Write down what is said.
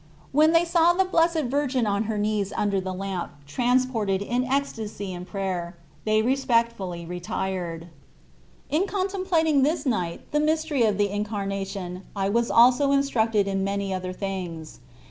When they saw the Blessed Virgin on her knees under the lamp 3 26 Hbe 1flatfv>ft\? of transported in ecstasy in prayer, they respectfully retired. In contemplating this night the mystery of the Incarnation I was also instructed in many other things.